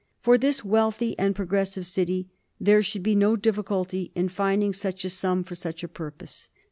For this wealthy and progressive city,, there should be no difficulty in finding such a sum for such a purpose.